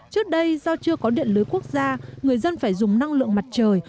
trước đây do chưa có điện lưới quốc gia người dân phải dùng năng lượng mặt trời